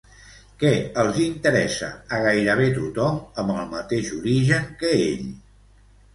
Què els interessa a gairebé tothom amb el mateix origen que ell?